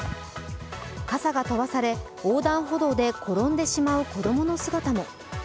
傘が飛ばされ横断歩道で転んでしまう子供の姿も。